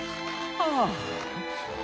ああ。